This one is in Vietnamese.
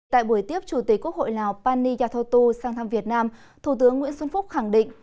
tại buổi tiếp chủ tịch quốc hội lào pani yathotu sang thăm việt nam thủ tướng nguyễn xuân phúc khẳng định